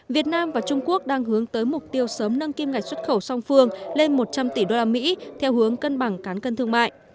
việt nam và trung quốc đang hướng tới mục tiêu sớm nâng kim ngạch xuất khẩu song phương lên một trăm linh tỷ usd theo hướng cân bằng cán cân thương mại